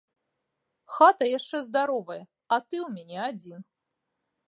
Хата яшчэ здаровая, а ты ў мяне адзін.